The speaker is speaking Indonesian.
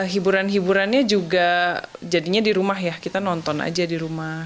hiburan hiburannya juga jadinya di rumah ya kita nonton aja di rumah